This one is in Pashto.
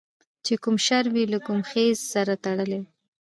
چې کوم شر وي له کوم څیز سره تړلی